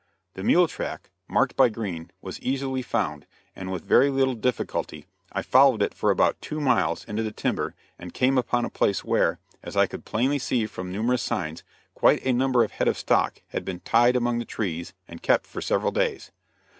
The mule track, marked by Green, was easily found, and with very little difficulty I followed it for about two miles into the timber and came upon a place where, as I could plainly see from numerous signs, quite a number of head of stock had been tied among the trees and kept for several days.